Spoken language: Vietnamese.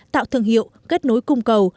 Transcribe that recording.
tạo thương hiệu kết nối cung cầu